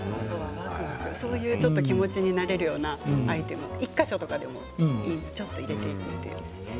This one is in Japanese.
そういう気持ちになれるようなアイテム１か所でもいいのでちょっと入れてみて。